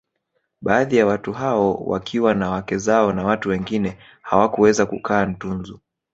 Baadhi ya watu hao wakiwa na wake zao na watu wengine hawakuweza kukaa Ntunzu